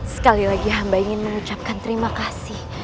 sekali lagi hamba ingin mengucapkan terima kasih